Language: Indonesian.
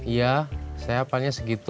iya saya apanya segitu